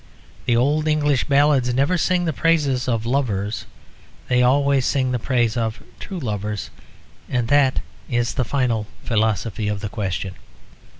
The old English ballads never sing the praises of "lovers." They always sing the praises of "true lovers," and that is the final philosophy of the question.